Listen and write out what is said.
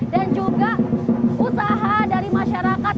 dan juga usaha dari masyarakat